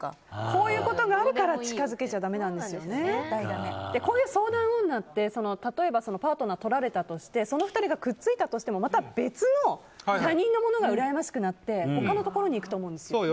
こういうことがあるからこういう相談女って例えばパートナーをとられたとしてその２人がくっついたとしてもまた別の他人のものがうらやましくなって他のところに行くと思うんですよ。